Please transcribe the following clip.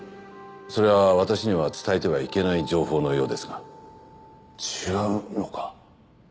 それは私には伝えてはいけない情報のよう違うのか？